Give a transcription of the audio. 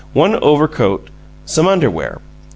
One overcoat. Some underwear.